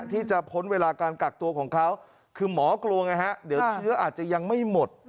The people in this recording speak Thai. ที่จะพ้นเวลาการกักตัวของเขาคือหมอกลัวไงฮะเดี๋ยวเชื้ออาจจะยังไม่หมด